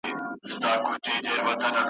دسرونو بازار تود ؤ ,